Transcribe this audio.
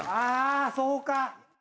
あそうか。